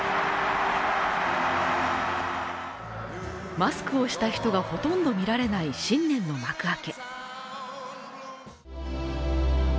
マスクをした人がほとんど見られない新年の幕開け。